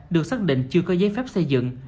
được xác định chưa có giấy phép xây dựng